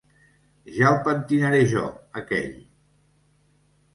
Ja el pentinaré jo, aquell!